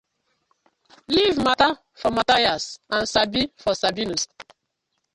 Leave mata for Mathias and Sabi for Sabinus: